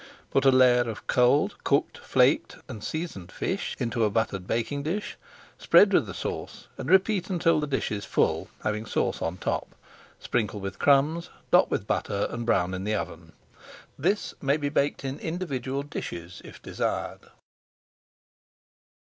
Put a layer of cold cooked flaked and seasoned fish into a buttered baking dish, spread with the sauce, and repeat until the dish is full, having sauce on top. Sprinkle with crumbs, dot with butter, and brown in the oven. This may be baked in individual dishes if desired.